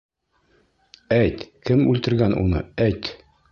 — Әйт, кем үлтергән уны, әйт?